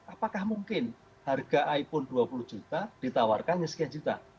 apakah mungkin harga iphone dua puluh juta ditawarkan hanya sekian juta